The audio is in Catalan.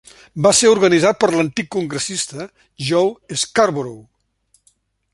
Va ser organitzat per l'antic congressista Joe Scarborough.